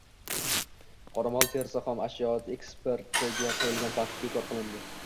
Qoramol terisi xom ashyosi eksportiga qo‘yilgan taqiq bekor qilindi